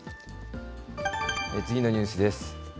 次のニュースです。